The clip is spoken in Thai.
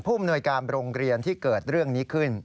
อำนวยการโรงเรียนที่เกิดเรื่องนี้ขึ้น